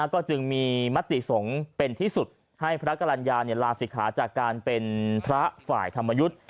ก็จึงมีมติสงฆ์เป็นที่สุดให้พระกรรณญาลาศิกขาจากการเป็นพระฝ่ายธรรมยุทธ์